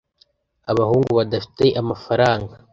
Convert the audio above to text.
Abahungu badafite amafaranga